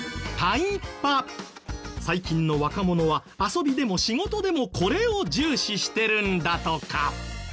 最近の若者は遊びでも仕事でもこれを重視してるんだとか。